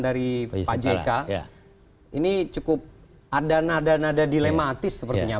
dari pak jk ini cukup ada nada nada dilematis sepertinya